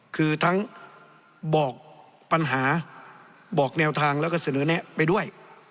คือทั้งบอกปัญหาบอกแนวทางแล้วก็เสนอแนะไปด้วย